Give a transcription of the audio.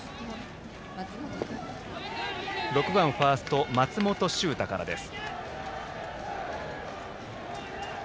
６番ファースト松本秀太からです。